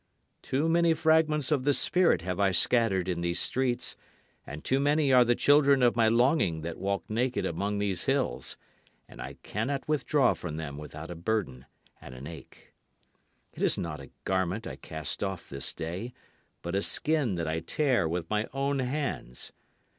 Too many fragments of the spirit have I scattered in these streets, and too many are the children of my longing that walk naked among these hills, and I cannot withdraw from them without a burden and an ache. It is not a garment I cast off this day, but a skin that I tear with my own hands.